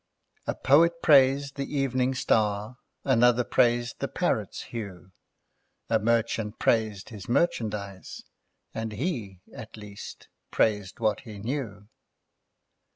A Poet praised the Evening Star, Another praised the Parrot's hue: A Merchant praised his merchandise, And he, at least, praised what he knew."